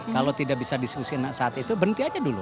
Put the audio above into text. kalau tidak bisa diskusi saat itu berhenti aja dulu